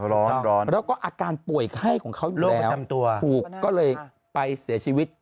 แล้วก็อาการป่วยไข้ของเขาอยู่แล้วถูกก็เลยไปเสียชีวิต